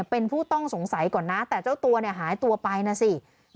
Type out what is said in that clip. เป็นผู้ต้องสงสัยก่อนนะแต่เจ้าตัวเนี่ยหายตัวไปนะสิ